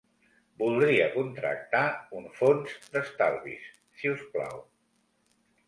Voldria contractar un fons d'estalvis, si us plau.